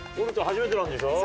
初めてなんでしょ？